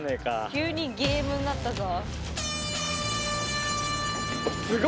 急にゲームになったぞ。